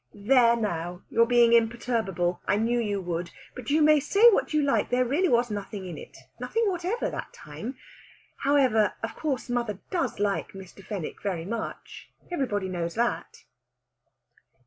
"There, now! You're being imperturbable! I knew you would. But you may say what you like there really was nothing in it. Nothing whatever that time! However, of course mother does like Mr. Fenwick very much everybody knows that."